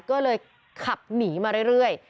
ก็เลยขับหนีมาเรื่อย